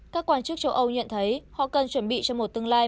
các quan chức châu âu nhận thấy họ cần chuẩn bị cho một tương lai